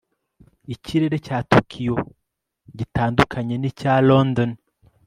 Ikirere cya Tokiyo gitandukanye nicya London